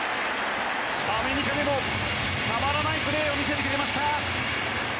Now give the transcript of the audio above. アメリカでもたまらないプレーを見せてくれました。